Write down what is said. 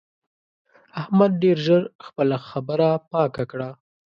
احمد ډېر ژر خپله خبره پاکه کړه.